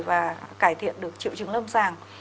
và cải thiện được triệu chứng lâm sàng